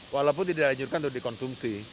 walaupun tidak dikonsumsi